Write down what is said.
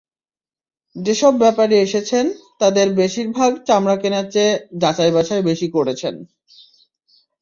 যেসব ব্যাপারী এসেছেন, তাঁদের বেশির ভাগ চামড়া কেনার চেয়ে যাচাই-বাছাই বেশি করেছেন।